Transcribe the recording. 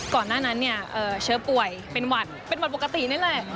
ก่อนหน้านั้นเนี่ยเชื้อป่วยเป็นหวัดเป็นหวัดปกตินี่แหละ